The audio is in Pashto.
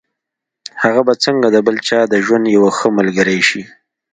هغه به څنګه د بل چا د ژوند يوه ښه ملګرې شي.